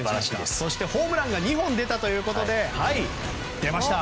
そして、ホームランが２本出たということで出ました！